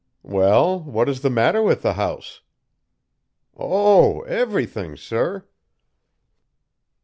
"'Well, what is the matter with the house?' "'Oh! everything, Sir!'